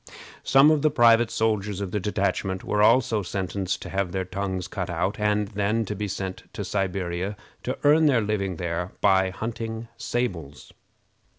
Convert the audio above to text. Some of the private soldiers of the detachment were also sentenced to have their tongues cut out, and then to be sent to Siberia to earn their living there by hunting sables.